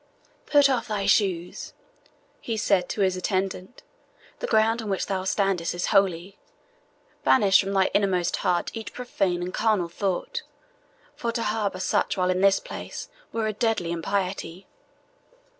"Put off thy shoes," he said to his attendant; "the ground on which thou standest is holy. Banish from thy innermost heart each profane and carnal thought, for to harbour such while in this place were a deadly impiety."